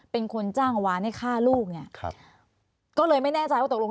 เป็นคนจ้างวานให้ฆ่าลูกเนี่ยครับก็เลยไม่แน่ใจว่าตกลง